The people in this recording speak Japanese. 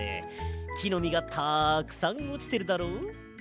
きのみがたくさんおちてるだろ。